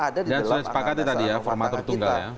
ada di dalam angka angka kita